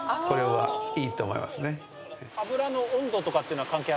はい。